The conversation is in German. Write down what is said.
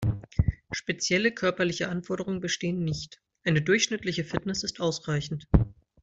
Spezielle körperliche Anforderungen bestehen nicht, eine durchschnittliche Fitness ist ausreichend.